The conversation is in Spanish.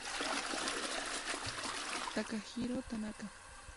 Takahiro Tanaka